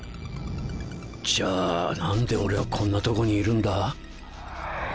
じゃあ何で俺はこんなとこにいるんだ？